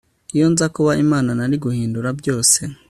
Iyo nza kuba Imana nari guhindura byose